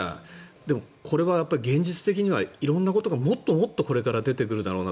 でも、これは現実的には色んなことがもっともっとこれから出てくるだろうなと。